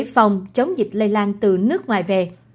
phòng chống dịch lây lan từ nước ngoài về